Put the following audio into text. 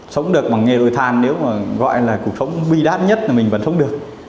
sống được bằng nghề đồi than nếu mà gọi là cuộc sống bi đát nhất là mình vẫn sống được